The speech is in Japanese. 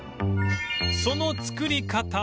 その作り方は